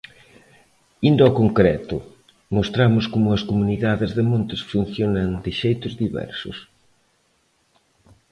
Indo ao concreto, mostramos como as comunidades de montes funcionan de xeitos diversos.